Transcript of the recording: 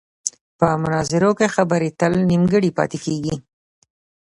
په مناظرو کې خبرې تل نیمګړې پاتې کېږي.